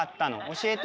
教えて。